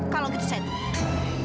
kalau gitu saya tuh